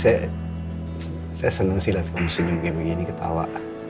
saya saya seneng sih lihat kamu senyum kayak begini ketawa